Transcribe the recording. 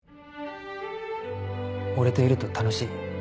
俺といると楽しい？